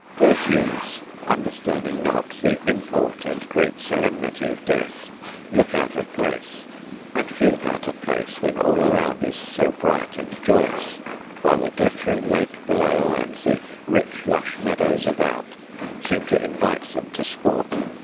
Those youths, understanding not the import and great solemnity of death, look out of place, and feel out of place when all around is so bright and joyous, while the glittering lake below, and the rich, lush meadows about seem to invite them to sport.